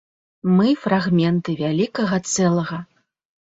Мы фрагменты вялікага цэлага.